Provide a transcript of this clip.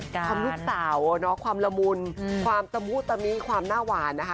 คำลูกสาวความละมุนความตะมูตะมิความหน้าหวานนะคะ